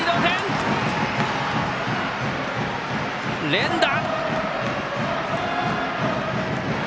連打！